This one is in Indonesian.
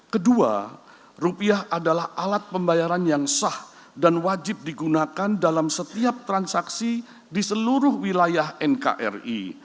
kedua rupiah adalah alat pembayaran yang sah dan wajib digunakan dalam setiap transaksi di seluruh wilayah nkri